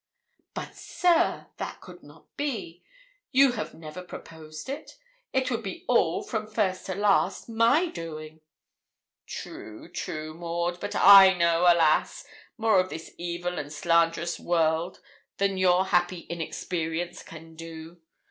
'But, sir, that could not be; you have never proposed it. It would be all, from first to last, my doing.' 'True, dear Maud, but I know, alas! more of this evil and slanderous world than your happy inexperience can do.